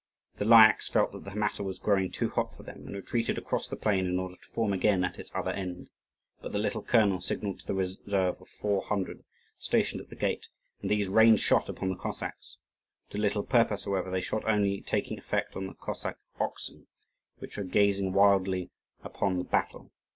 The Lyakhs felt that the matter was growing too hot for them, and retreated across the plain in order to form again at its other end. But the little colonel signalled to the reserve of four hundred, stationed at the gate, and these rained shot upon the Cossacks. To little purpose, however, their shot only taking effect on the Cossack oxen, which were gazing wildly upon the battle.